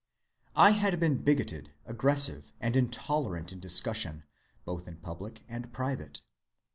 "I had been bigoted, aggressive, and intolerant in discussion, both in public and private.